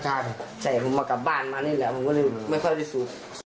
แต่ผมมากลับบ้านมานี่แหละผมก็ไม่ค่อยรู้สึก